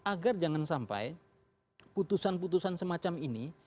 agar jangan sampai putusan putusan semacam ini